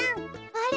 あれ？